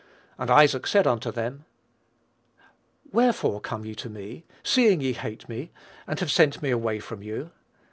And Isaac said unto them, Wherefore come ye to me, seeing ye hate me, and have sent me away from you?